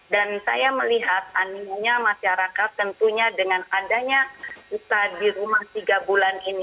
dan saya melihat anehnya masyarakat tentunya dengan adanya usaha di rumah tiga bulan ini